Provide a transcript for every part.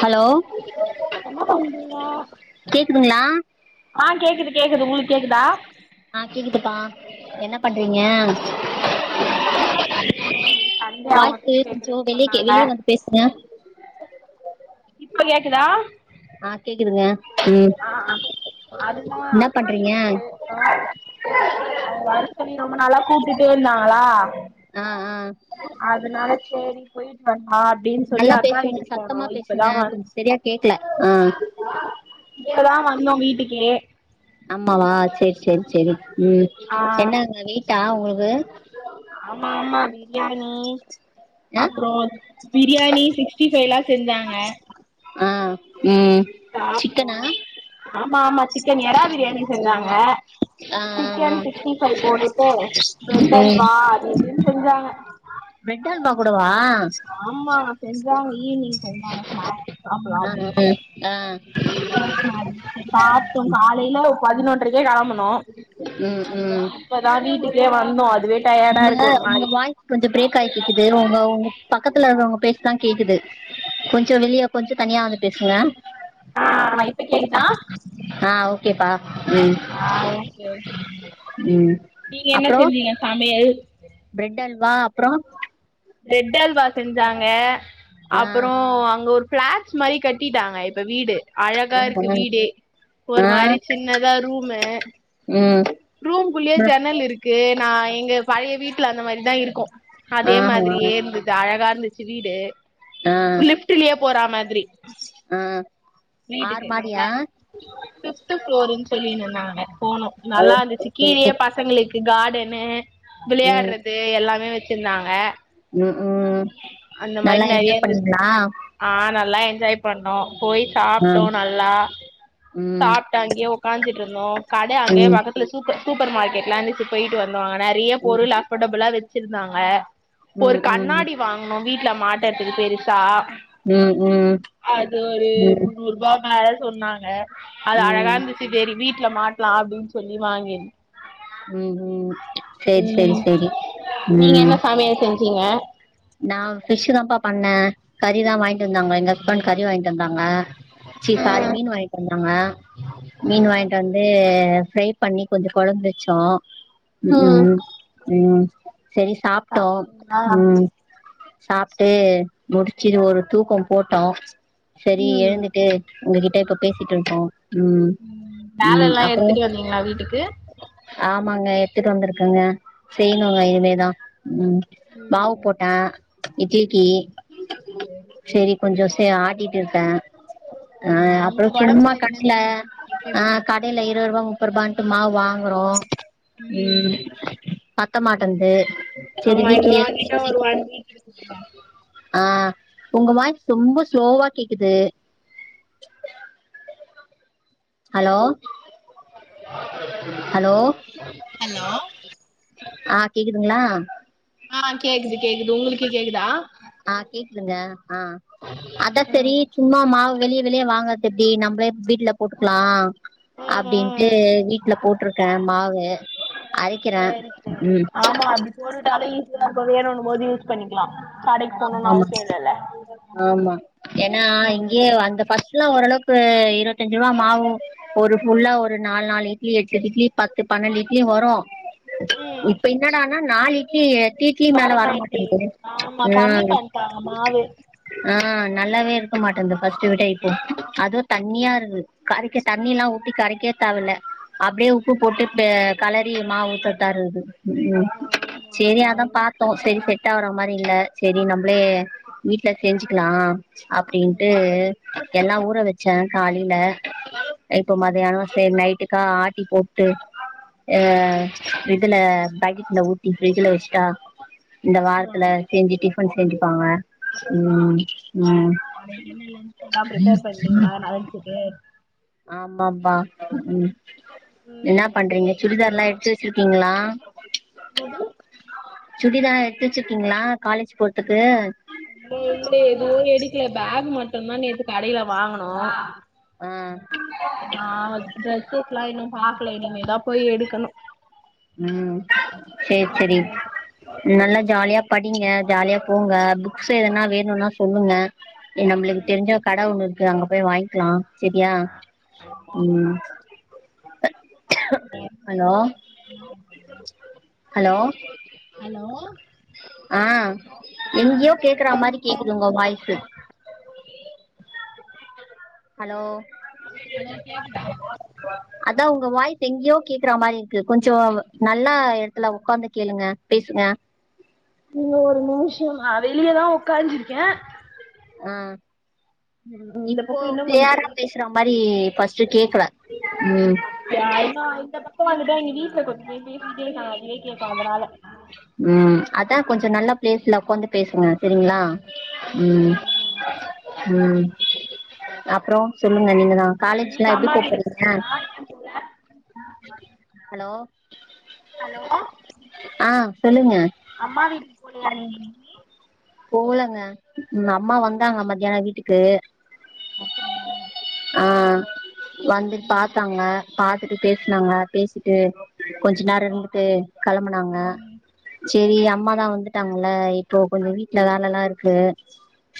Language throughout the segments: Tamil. ஹலோ என்ன பண்றீங்க கேக்குதுங்ளா ஆ கேக்குது கேக்குது உங்களுக் ஆ கேக்குதுப்பா என்ன பண்றீங்க என்ன பண்றா அக்கா வீட்டுக்கு போணோ இன்னிக்கி உங்க சண்டே அவங்க வாய்ஸு ட்ரீட் கொஞ்சோ வெக்கறன்னு வெளிய கே சொன்னாங்க வெளிய வந்து பேசுங்க இப்ப கேக்குதா ஆ கேக்குதுங்க ம் ஆ ஆ அதுதா என்ன அக்கா பண்றீங்க வீட்டுக்கு போயிருந்தோ அவ வர சொல்லி ரொம்ப நாளா கூப்டுட்டே இருந்தாங்களா ஆ ஆ அதனால சேரி போயிட்டு வந் நல்லா பேசுங்க சத்தமா இப்பதா பேசுங்க வந் கொஞ்சோ செரியா கேக்கல ஆ இப்பதா வந்தோ வீட்டுக்கே அம்மாவா சேர் சேரி சேரி ம் ஆ என்னங்க வீ ட்டா உங்களுக்கு ஆமா ஆமா பிரியாணி ஆ அப்புறோ பிரியாணி சிக்ஸ்டி ஃபைவ்லா செஞ்சாங்க ஆ ம் சாப்டோ சிக்கனா ஆமா ஆமா சிக்கன் எறா பிரியாணி செஞ்சாங்க ஆ ஆ சிக்கன் சீக்ஸ்ட்டி ஃபைவ் போட்டுட்டு பிரெட் ம் ஹல்வா அது இதுன் செஞ்சாங்க பிரெட் ஹல்வா கூடவா ஆமாங்க செஞ்சாங்க ஈ ஈவினிங் செஞ்சாங்க ஸ்நேக்ஸ் சாப்புல்லா ஆ அப்டினு ஆ ஆ பாத்தோ காலேல பதினொன்றைக்கே கெளம்பணோ உம்-உம் இப்டியே வந்தோ அதுவே டயர்டா இருக்கு ஒரு உங்க-உங்க மாரி வாய்ஸ் கொஞ்ச பிரேக் ஆயி கேக்குது உங்க-உங்க பக்கத்துல இருக்குறவங்க பேச்சுதா கேக்குது கொஞ்சோ வெளிய கொஞ்சௌ தனியா வந்து பேசுங்க ஆ இப்ப கேக்குதா ஓகே பா ஆ ஓகே-ஓகே ம் நீங்க என்ன அப்றோ செஞ்சீங்க சமயல் பிரெட் அல்வா அப்றோ பிரெட் அல்வா செஞ்சாங்க ஆ அப்றோ அங்க ஒரு பிளாட்ஸ் மாரி கட்டிட்டாங்க இப்ப வீடு அழகா இருக்கு வீடு ஒரு ஆ மாரி சின்னதா ரூம்மு ம் ரூம்க்குள்ளேயே ஜன்னல் இருக்கு நா எங்க பழய வீட்ல அந்த மாரிதா இருக்கு ஆ அதே மாரி இப்டியே இருந்தது டயாடா இருந்து ஆ [unintelligible] லிஃப்ட்டுலயே போறா மாரி [unintelligible] ஆ ஆறு வீட்டுக்கு மாடியா நல்லா இருந்து ஃபித்துப்ளோருன் சொல்லி நின்னாங்க போனோ ஓ நல்லா இருந்துச்சு ஓகே ஓகே கீழே பசங்களுக்கு கா [inaudible] ம் விளயாடுறது எல்லாமே வச்ச வெச்சு இருந்தாங்க ம் உம் நல்லா நெறைய என்ஜாய் இருந்தது பண்ணீங்ளா ஆ நல்லா என்ஜாய் பண்ணோ போய் சாப்ட்டோம் நல்லா ம் சாப்டு அங்கே உக்காந்துடு இருந்தோ கட அங்கயே ம் பக்கத்ல சூப்ப சூப்பர் மார்க்கெட்லா இருந்துச் போயிட்டு வந் வாங்க நெறய ம் பொருள் அப்படெபிளா வித் வெச்சுருந்தாங்க ஒரு ம் ம் கண்ணாடி வாங்கணோ வீ வீட்ல மாட்டரதுக்கு பெருசா ம் ம் அது ஒரு ம் முன்னூரூபா வெல சொன்னாங்க அது அழகா ம் இருந்துச்சு சேரி வீட் வீட்ல மாட்லா அப்டின் சொல்லி வாங்கின் ம் ம் சேரி சேரி ம் சேரி ம் வ நா ஃபிஷ்தாப்பா பண்ண கறிதா வாங்கிட்டு வந்தாங்க எங்க ஹஸ்பண்ட் கறி வாங்கிட்டு வந்தாங்க ச்சி சாரி மீனு வாங்கிட்டு வந்தா டாங்க மீன் வாங்கிட்டு வந்து ஃப்ரை பண்ணி கொஞ்சோ கெழம்பு வெச்சோ ம்க்ம் ம் சேரி சாப்டோ ம் சாப்டு முடுச்சுட்டு ஒரு தூக்கோம் போட்டோ சேரி எழுந்துட்டு உங்ககிட்ட இப்ப பேசிட்டு இருப்போ வேல எல்லா எடுத்துட்டு வந்தீங்களா வீட்டுக்கு ஆமாங்க எடுத்துட்டு வந்துருக்கங்க செய்யணுங்க இனிமேதா ம் மாவு ஆ இட்லிக்கி சேரி கொஞ்சோஸ் டே ஆட்டிட்டு இருக்க ஆ அப்புறோ உங்களுக்கு ஒடம்பு சும்மா கடில ஆ கடைல இருவரூவா முப் பத்துருபான்ட்டு மாவு வாங்குறோ ம் பத்தமாட்டந்து ஆமா [unintelligible] [unintelligible] ஆ உங்க வாயிஸ் ரொம்ப ஸ்லோவா கேக்குது ஹலோ ஹலோ ஹலோ [inaudible] ஆ கேக்குதுங்ளா ஆ கேக்குது கேக்குது உங்களுக்கு கேக்குதா ஆ கேக்குதுங்க ஆ அத சரி சும்மா மாவு வெளிய வெளியேவாங்கறது எப்டி நம்மளே வீட்ல போட்டுக்கலா ம் அப்டின்ட்டு ம் வீட்ல போட்ருக்கே மாவு அரக்கிறே சேரி உம் வேணும் போது யூஸ் பண்ணிக்கலா கடைக்கு ஆமா போணுனு ஆமா அவசியோ இல்லல்ல ஆமா ஏன்னா இங்கேயே அந்த பச ஓரளவுக்கு இருவத்தஞ்சு ரூபா மாவு ஒரு ஃபுல்லா ஒரு நாலு நாலு இட்லி எட்டு இட்லி பத்து பன்னெண்டு இட்லி வரு இப்ப என்னனா ஆனா நாளு இட்லி எட்டு இட்லி மேலே வரமாட்டேங்குது கம்மி ம் பண்ணிட்டாங்க மாவு ஆ நல்லாவே இருக்க மாட்டேந்து பஸ்டு விட இப்போ அதுவு தண்ணியா இருக்து கரைக்க தண்ணி எல்லா ஊத்தி கரைக்க தேவல அப்டியே உப்பு போட்டு களறி மாவு ஊத்ததா இருக்குது உ ஆமா சேரி ஆமா அதா பாத்தோ சரி சரி கட்டா வர மாரி இல்ல செரி நம்மளே வீட்ல செஞ்சுக்கலா ம் அப்டின்ட்டு எல்லா ஊற வச்சே காலேல இப்போ ம் மதியான செரி நைட்டு கா ஆட்டி போட்டு ஆ இதுல பெக்கெட்ல ஊத்தி பிரிஜூல வச்சுட்டா இந்த வாரத்ல ம் செஞ்சு டிபன் செஞ்சுப்பாங்க உம் நாளைக்கென்ன லன்ச்சு எல்லா பிரிப்பேர் பண்டீங்ளா ந லன்ச்சுக்கு ஆமாம்பா ம் என்ன ம் பண்றீங்க சேரி சுடிதார்லா சேரி எடுத்து வச்சுருக்கீங்ளா? என்னது சுடிதா எடுத்து வச்சிர்க்கிங்ளா காலேஜ் போற்துக்கு இல்ல இல்ல எதுவு எடுக்ல பேக் மட்டுந்தா நேத்து கடைல வாங்குனோ ஆ நாங்க ட்ரெஸ்ஸு லா இன்னு பாக்ல இனிமே தா போய் எடுக்கனு ம் சேர் செரி நல்லா ஜாலியா படிங்க ஜாலியா போங்க புக்ஸ் எதுனா வேணுன்னா சொல்லுங்க இங்க நம்ளுக்கு தெரிஞ்ச கடை ஒன்னு இ ருக்கு அங்க போய் வாங்க்லா செரியா ம் உங்க ஹலோ ஹஸ்பண்ட் தம்பிலா என்னா பண் ஹலோ ஹலோ ஆ எங்யோ கேக்குற மாரி கேக்குது உங்க வாய்ஸு ஹலோ [unintelligible] அதா உங்க வாய்ஸ் எங்யோ கேக்குற மாரி இருக்கு கொஞ்சோ நல்லா எடத்துல உக்காந்து கேளுங்க பேசுங்க நீங்க ஒரு நிமிஷம் நா வெளியதா உக்காந்துருக்கே ஆ ம் இந்த இப்போ பக்கொ இன்னு கொஞ்ச கிளியரா இருக்கு பேசுற மாரி ஃபஸ்ட்டு கேக்கல ம் அப்டியா இன்னு இந்த பக்க வந்துட்டா இங்க வீட்ல கொஞ் அப்டியே பேசிக்கிட்டே நா ம் அதா கொஞ்ச நல்ல ப்ளேஸ்ல உக்காந்து பேசுங்க செரிங்ளா ம் ம் அப்றோ சொல்லுங்க நீங்கதா இன்னைக்கு காலேஜ்க்லா எப்டி அம்மா போ வீட்டுக்கு போறீங்க போலயா ஏன் போல ஹலோ ஆ சொல்லுங்க அம்மா வீட்டுக் போலயா நீங் இன்னக்கி போலங்க ம் அம்மா வந்தாங்க மத்யான வீட்டுக்கு அப்டியா ஆ வந்து பாத்தாங்க பாத்துட்டு பேசனாங்க பேசிட்டு கொஞ்ச நேரம் இருந்துட்டு களம்பனாங்க சொரி அம்மா தா வந்துட்டாங்க இல்ல இப்போ கொஞ்சோ வீட் ல வேலலா இருக்கு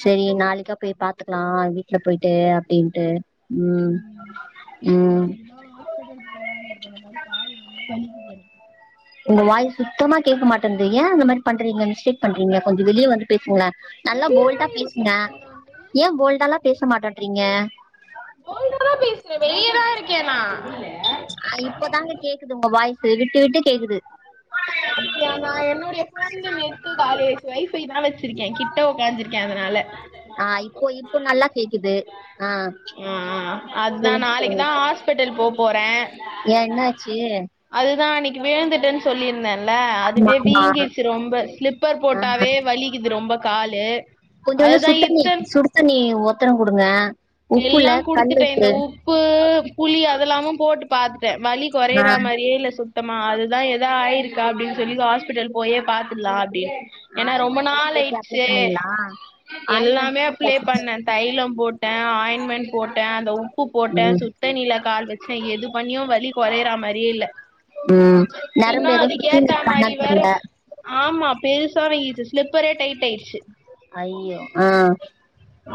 செரி நாளைக்கா போய் பாத்துக்கலா வீட்ல போயிட் டு அப்டின்ட்டு ம் ம் ம் நாளைக்குதா ஹாஸ்பிட்டல் போலான்னு இருக்க இந்த மாரி கால் ரொம்ப வலிக்குது உங்க வாய்ஸ் சுத்தமா கேக்க மாட்டேந்து ஏ அந்த மாரி பண்றீங்க செக் பண்றீங்களா கொஞ்சம் வெளிய வந்து பேசுங்கள நல்லா போல்டா பேசுங்க ஏன் போல்டல்லாம் பேசமாட்டன்றீங்க கேன் நா ஆ இப்பதாங்க கேக்குது உங்க வாய்ஸு விட்டு விட்டு கேக்குது அப்டியா நான் என்னுடைய ஃபோன்ல நெட்டு காலி ஆயிச்சி ஒய்ஃபை தான் வச்சிருக்கேன் கிட்ட உக்காந்து இருக்கேன் அதனால ஆ இப்போ இப்போ நல்லா கேக்குது ஆ ஆ ஆ அதான் சொல்லுங்க நாளைக்கு சொல்லுங்க தான் ஹாஸ்பிட்டல் போ போறன் ஏ என்னாச்சி விழுந்தட்டன்னு சொல்லியிருந்தன் இல்ல அதுவே ஆமா வீங்கிருச்சி ரொம்ப சில்ப்பர் ஆ போட்டாவே வலிக்குது ரொம்ப காலு கொஞ்ச வந்து அதுதா சுத்தன்னி சுடுத்தன்னி ஒத் தரம் குடுங்க உப்புல எல்லாம் குடுத்துட்டன் இந்த கல்லுப்பு உப்பு புளி அதெல்லாம்மோ போட்டு பாத்துட்டன் வலி ஆ கொறையற மாரியே இல்ல சுத்தமா அதுதா எதா ஆயிருக் க அப்டின் சொல்லி ஹாஸ்பிட்டல் போயே பாத்துடுலா அப்டின் ஏன்னா ரொம்ப ஆயில்மெண்ட் எல்லா நாள் போட்டு அப்ளை ஆயிடுச்சே பண்ணீங்களா ஆயில்மெண்ட் எல்லாமே பிளே போட்டாச்சு பண்ண தைலம் போட் டன் ஆயின்மென்ட் போட்டன் அந்த உப் பு போட்டன் ம் சுடுதண்ணில கால் வச் ச எது பண்ணியும் வலி கொறையற மாரியே இல்ல ம் நரம்பு இன்னும் ஏதோ சுத்தினு அதுகேத்த இருக்கானா மாரி வேற தெர்ல ஆமா பெருசா வீங்கி இந்த ஸ்லிப்பரே டைட் ஆயிடுச்சி அய்யோ ஆ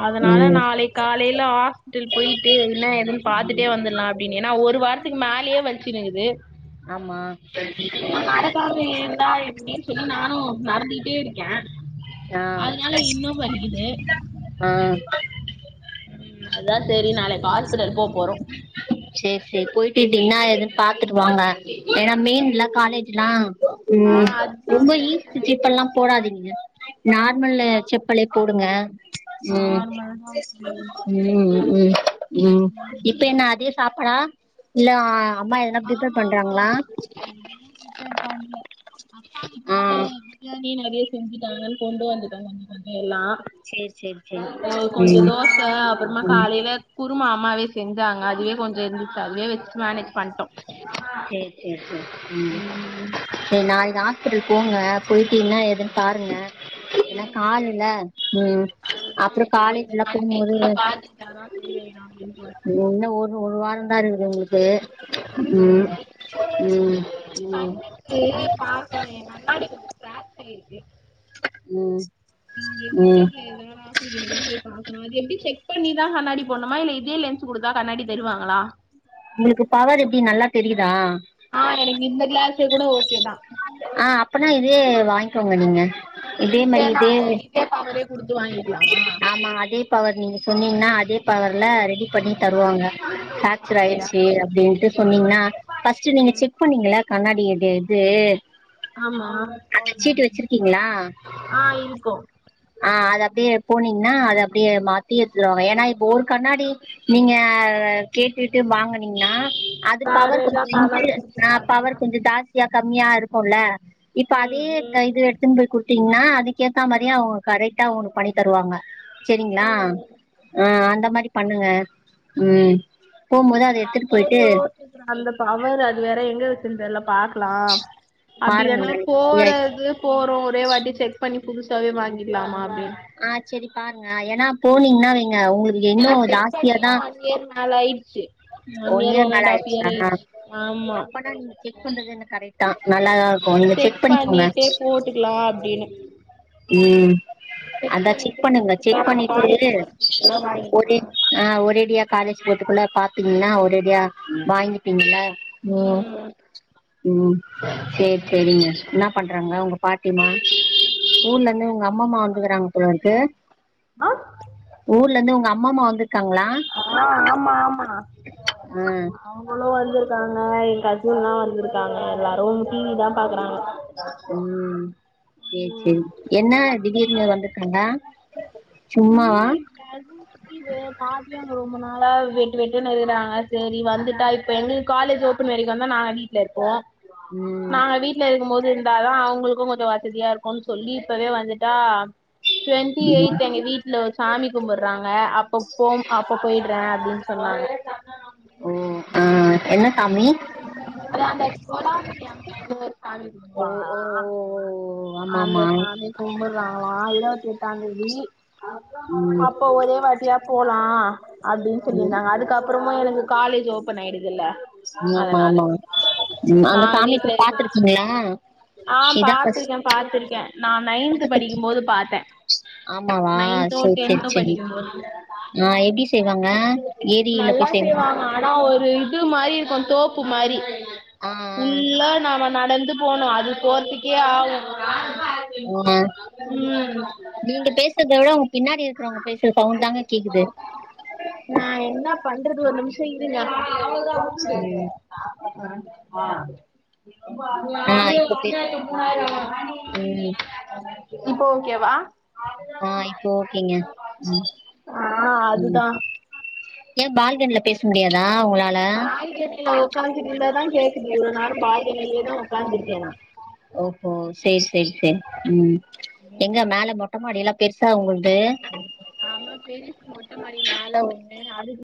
அதனால ம் நாளைக் காலையில ஹாஸ்பிட்டல் போயிட்டு என்ன ஏதுன் பாத்துட்டே வந்துர்லா அப்டின்னு ஏனா ஓர் ஒரு வாரத்துக்கு மேலயே வலிச்சுனு இருக்குது நடக்காது ஏந்தா இப்டின் சொல்லி நானு நடந்துகிட்டே இருக் கே ஆ அதனால இன்னு வலிக்குது ஆ ம் அதா சேரி நாளக் பாத்துல [unintelligible] போறோ டிடினா எதுன் பாத்துட்டு வாங்க ஏனா மெயிண்லா காலேஜ்லா ஆ ம் அதுதா ரொம்ப ஈ சீப்பல்லாம் போடாதீங்கங்க நார்மல்லு செப்பலே போட் டுங்க ம் நார்மல் ம் ம் ம் இப்ப என்ன அதே சாப்பாடா இல்ல அம்மா எதனா ப்ரிப்பேர் ஆமா ஆமா பண்றாங்களா எதுவு பிரிப்பேர் பண்ல ஆ ஆ [unintelligible] தி நறையா செஞ்சுட்டாங்கன் கொண்டு வந்துட்டாங்கன் [inaudible] எல்லா சேரி சேரி சேரி அப்புறோ கொஞ்சோ ம் தோச அப்புறமா ம் காலைல குருமா அம்மாவே செஞ்சாங்க அதுவே கொஞ்சோ இருந்துச்சு அதுவே வெச்சு மேனேஜ் பண் சேரி சேரி ம் ம் சேரி நாள் நா சேரி போங்க போயிட்டீங்கன்னா எதுன் பாருங்க ஏனா காலுல்ல ம் அதுதா அப்புறோ இப்போ காலேஜ் இந்த எல்லா போம்போது மண்டேக்குள்ள பாத்துக்கிட்டாதா சரியாயிடு அப்டின்னு போறே என்ன ஒரு ஒர் வாரந்தா இருக்கு து உங்களுக்கு ம் ம் ம் கண்ணுக்கு பாக்கணு என்னன் [inaudible] ம் நீங்க ம் கிட்டத்துல எதாவது [unintelligible] போய் பாக்கணு அது எப்டி செக் இப்ப நீதா கண்ணாடி போணுமா இல்ல இதே லென்ஸ் குடுத்தா கண்ணாடி தருவாங்களா உங்களுக்கு பவர் எப்டி நல்லா தெரியுதா இதே கூட ஓகேதா அப்பனா இதே வாங்க்கோங்க நீங்க இதே மாரி இதே ஆமா அதே பவர் நீங்க சொன்னீங்கன்னா அதே பவர்ல ரெடி பண்ணி தருவாங்க பிரேக்சர் ஆயிருச்சு அப்டின்ட்டு சொன்னீங்கன்னா ஃபஸ்ட்டு நீங்க செக் பண்ணீங்கள கண்ணாடிய இது எது ஆமா வச்சிருக்கீங்களா ஆ இருக்கு னா அத அப்டியே மாத்தி எடுத்துட்டு வாங்க ஏனா இப்ப ஒரு கண்ணாடி நீங்க கேட்டுட்டு வாங்கனீங்கன்னா அது வேற பவர் ஏதா கொஞ்சோ இன்டு பவர் ஆ பவர் குடுத்துட்டாங்கன்னா கொஞ்சோ ஜாஸ் தியா கம்மியா இரு போல்ல இப்ப அதே ம் இது எடுத்துன் போய் குடுத் திங்கனா அதுக்கேத்த மாரியே அவங்க கரெக்டா உனுக் பண்ணி தருவாங்க சேரிங்களா ம் ஆ ம் அந்த மாரி பண்ணுங்க ம் போம்போது எடுத்துட்டு அத போயிட்டு யோசிக்கிற அந்த பவர் அது வேற எங்க வெச் சன் தெர்ல பாக் லா அப்டி பாருங்க இல்லன்னா நாளைக்கு ஃப்ரீயா போறது போறோ ஒரே வாட்டி செக் பண்ணிப் புதுசாவே வாங்கிக்கலாமா அப்டின் ஆ சேரி பாருங்க ஏனாப் போனீங்னாவே ங்க உங்களுக்கு இன்னு ஜாஸ்தியாதா ச்சு ஒன் இயர் மேல ஆயிருச்சா ஆமா அப்பனா நீங்க செக் பண்றதுனு கரெக்ட்தா நல்லாதா இருக்கு நீங்க செக் பண்ணிக்கோங்க பண்ணிட்டே போட்டுக்கலா அப்டின்னு ம் அதா செக் பண்ணுங்க செக் பண்ணிட்டு ஒரே ஆ ஒரேடியா காலேஜ் போட்டுக்குள்ள பா்த்தீங்கன்னா ஒரேடியா வாங்கப்பீங்கள ம் ம் ம் சேரி சேரிங்க என்ன பண்றாங்க உங்க பாட்டிமா ஊர்ல இருந்து உங்க அம்மமா வந்துக்கறாங்க போளருக்கு ஆ ஊர்ல இருந்து உங்க அம் அம்மாமா வந்துட் ஆ ஆம்மா ஆம்மா ஆ அவ்ங்களு வந்துருக் க்காங்க என் கசின்லா வந்திருக்காங்க எல்லாரு டிவி தா பாக்குறாங்க ம்ம் சேர் சேரி என்ன திடீர்னு வந்திருகாங்க சும்மா சும்மாவா ஏங்க ரொம்ப நாளா வேட்டு வேட்டுன்னு இருந்தாங்க சேரி வந்துட்டா இப்ப எங்க காலேஜ் ஓப்பன் வரைக்குந்தா நாங் வீட்டுல இருப்போ ம் நா வீட்ல இருக்கும்போது தாதா அவங்களுக்கு கொஞ்சோ வசதியா இருக்குன் சொல்லி இப்போவே வந்துட்டா ம் டொவின்டிஎய்த் எங்க வீட்ல ஒரு சாமி கும்புட்றாங்க அப்போ போம் அப்போ போயிட்றே அப்படின் சொன்னாங்க ஓ ஆ என்ன சாமி அதா அந்த கொலாவரி அம்மன் னு ஒரு சாமி ஓ கும்பறாங்களா ஓ ஓ அந்த ஆமாமா சாமி கும்பட்றாங்களா இருபத்தி எட் தாங்கிவி ம் அப்போ ஒரே வாட்டியா போலா அப்டின் ம் சொல்லிருந்தாங்க அதுக்கப் அப்புறமா எனக்கு காலேஜி ஓபன் ஆயிடுதுல எங்க மா ஆமா ம் நா அந்த சாமி வீட்டுல போய் இருக்க பாத்துருக்கீங்களா ஆ இதா ஃபஸ்ட் பாத்திருக்கே பாத்திருக்கே நா நயன்த் படிக்கும்போது பாத்தே ஆமாவா நயண்த்தோ சேரி சேரி டெண்த்தோ சேரி படிக்கும்போது ஆ எப்டி செய்வாங்க ஏரியில நல்லா போய் செய்வாங்க ஆனா ஒரு இது மட் மாறி இருக்கு தோப்பு மாரி ஆ உள்ள நாம நடந் இன்னு போணு அது போரதுக்கே ஆகு ஆ ம் நீங்க பேசறத விட உங்க பின்னாடி இருக்கறவங்க பேசுற சவுன்ட் தாங்க கேக்குது த்தர்கு ஒரு நிமிஷோ இருங்க அவ்ளோ தா அவுட் ம் ஆ ஆ யாரையோ இப்ப பே அநியாயத்துக் மூவாயிரோ ம் இப்போ ஓகேவா ஆ இப்போ ஓகேங்க ம் ஆ ம் அதுதா ஏன் பால்கனில பேச முடியாதா உங்களால பால்கனில உக்காந்துட்டு இருந்தா தான் கேக்குது இவ்ளோ நேரம் பால்கனிலேதா உக்காந்திருக்கேன் நா ஓஹோ சேரி சேரி சேரி ம் எங்க மேல மொட்டமாடில பெருசா உங்கள்து ஆமா பெருசு மொட்ட மாடி மேல ஒண்ணு அதுக்கு